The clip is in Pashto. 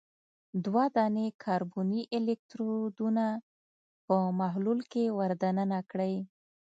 دوه دانې کاربني الکترودونه په محلول کې ور د ننه کړئ.